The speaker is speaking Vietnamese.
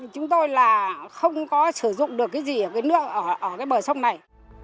chúng tôi là không có sử dụng được cái gì ở cái bờ sông này